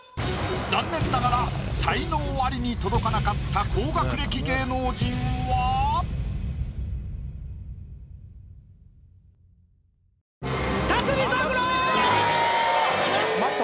残念ながら才能アリに届かなかった高学歴芸能人は⁉辰巳郎！あっ辰巳さんまた。